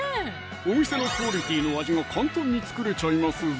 お店のクオリティの味が簡単に作れちゃいますぞ！